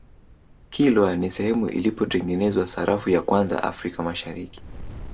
kilwa ni sehemu ilipotengenezwa sarafu ya kwanza africa mashariki